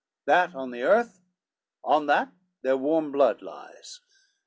That, on the earth; on that, their warm blood lies.